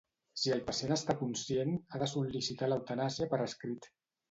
Si el pacient està conscient, ha de sol·licitar l'eutanàsia per escrit.